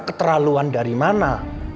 aku keterlaluan dari mana